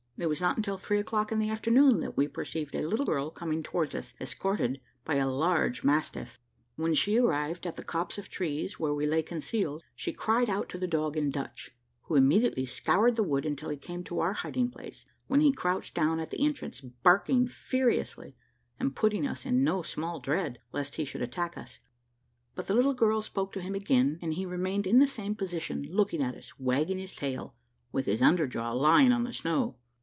It was not until three o'clock in the afternoon that we perceived a little girl coming towards us, escorted by a large mastiff. When she arrived at the copse of trees where we lay concealed, she cried out to the dog in Dutch, who immediately scoured the wood until he came to our hiding place, when he crouched down at the entrance, barking furiously, and putting us in no small dread, lest he should attack us; but the little girl spoke to him again, and he remained in the same position, looking at us, wagging his tail, with his under jaw lying on the snow.